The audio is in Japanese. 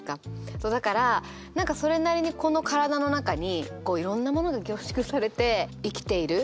だから何かそれなりにこの体の中にいろんなものが凝縮されて生きている。